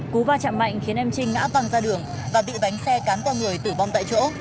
cú va chạm mạnh khiến em trinh ngã văng ra đường và bị bánh xe cán qua người tử vong tại chỗ